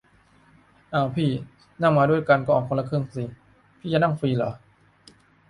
อ้าวพี่ นั่งมาด้วยกันก็ออกคนละครึ่งสิ พี่จะนั่งฟรีหรอ ?